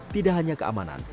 tidak hanya keamanan